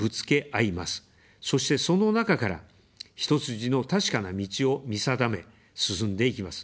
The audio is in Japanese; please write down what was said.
そして、その中から、一筋の確かな道を見定め、進んでいきます。